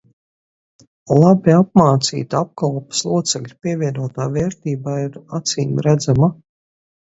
Labi apmācītu apkalpes locekļu pievienotā vērtība ir acīmredzama.